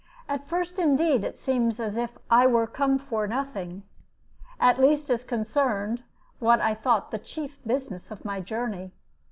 At first, indeed, it seemed as if I were come for nothing, at least as concerned what I thought the chief business of my journey.